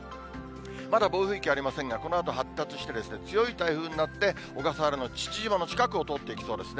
まだ暴風域ありませんが、このあと発達して、強い台風になって、小笠原の父島の近くを通っていきそうですね。